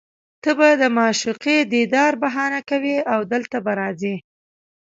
ته به د معشوقې دیدار بهانه کوې او دلته به راځې